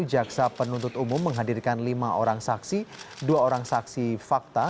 jaksa penuntut umum menghadirkan lima orang saksi dua orang saksi fakta